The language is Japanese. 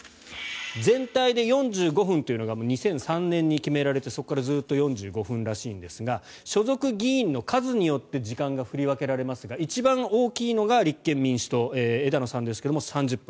全体で４５分というのが２００３年に決められてそこからずっと４５分らしいんですが所属議員の数によって時間が振り分けられますが一番大きいのが立憲民主党枝野さんですが３０分。